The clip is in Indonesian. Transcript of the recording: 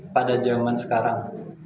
pada jaman sekarang